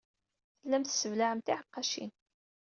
Tellam tesseblaɛem tiɛeqqacin.